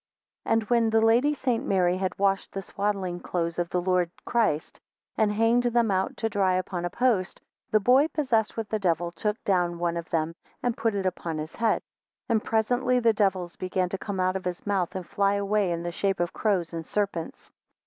15 And when the Lady St. Mary had washed the swaddling clothes of the Lord Christ, and hanged them out to dry upon a post, the boy possessed with the devil took down one of them, and put it upon his head. 16 And presently the devils began to come out of his mouth, and fly away in the shape of crows and serpents.